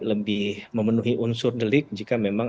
lebih memenuhi unsur delik jika memang